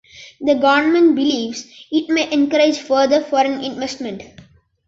The government believes it may encourage further foreign investment.